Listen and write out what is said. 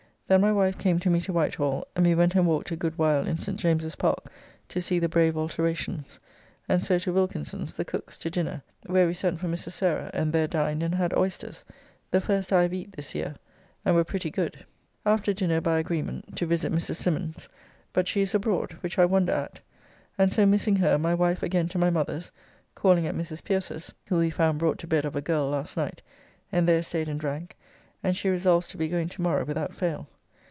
Then my wife came to me to Whitehall, and we went and walked a good while in St. James's Park to see the brave alterations, and so to Wilkinson's, the Cook's, to dinner, where we sent for Mrs. Sarah and there dined and had oysters, the first I have eat this year, and were pretty good. After dinner by agreement to visit Mrs. Symonds, but she is abroad, which I wonder at, and so missing her my wife again to my mother's (calling at Mrs. Pierce's, who we found brought to bed of a girl last night) and there staid and drank, and she resolves to be going to morrow without fail.